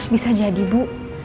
bisa jadi bu